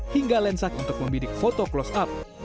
hingga lensat untuk membidik foto close up